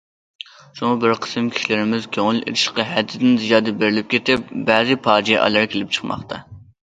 شۇڭا بىر قىسىم كىشىلىرىمىز كۆڭۈل ئېچىشقا ھەدىدىن زىيادە بېرىلىپ كېتىپ، بەزى پاجىئەلەر كېلىپ چىقماقتا.